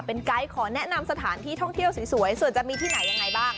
เป็นไกด์ขอแนะนำสถานที่ท่องเที่ยวสวยส่วนจะมีที่ไหนยังไงบ้าง